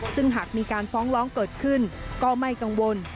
ซึ่งหากมีการฟ้องร้องเกิดขึ้นก็ไม่กังวล